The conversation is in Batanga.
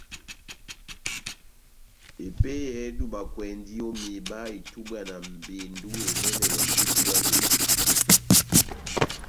Epeyɛ edubakwɛndi o miba itubwa na mbendu enɛnɛ ya ihuku ja boho.